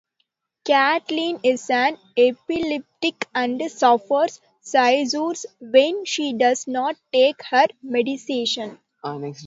Caitlin is an epileptic and suffers seizures when she does not take her medication.